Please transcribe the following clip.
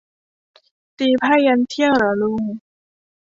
ตีไพ่ยันเที่ยงเหรอลุง